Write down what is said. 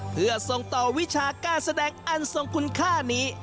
เพื่อส่งต่อวิชาการแสดงอันทรงคุณค่านี้